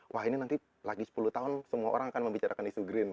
wah ini nanti lagi sepuluh tahun semua orang akan membicarakan isu green